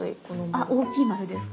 あ大きい丸ですか？